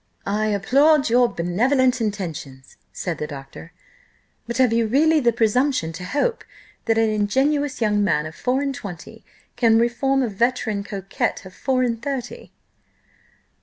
"I applaud your benevolent intentions," said the doctor: "but have you really the presumption to hope, that an ingenuous young man of four and twenty can reform a veteran coquet of four and thirty?"